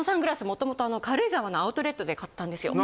もともと軽井沢のアウトレットで買ったんですよ。